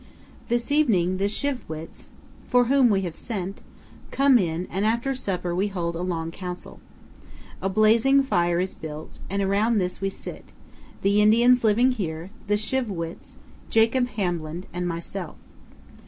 This evening, the Shi'vwits, for whom we have sent, come in, and after supper we hold a long council. A blazing fire is built, and around this we sit the Indians living here, the Shi'vwits, Jacob Hamblin, and myself.